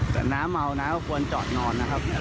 แต่น้าเมานะก็ควรจะจอดหนอน